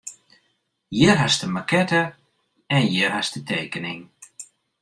Hjir hast de makette en hjir hast de tekening.